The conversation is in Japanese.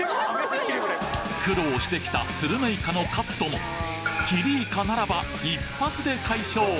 苦労してきたスルメイカのカットも切りいかならば一発で解消